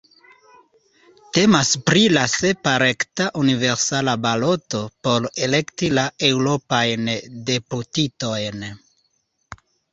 Temas pri la sepa rekta universala baloto por elekti la eŭropajn deputitojn.